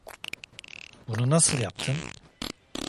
Bunu nasıl yaptın?